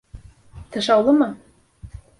Тышаулымы?